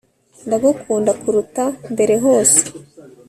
ndagukunda kuruta mbere hose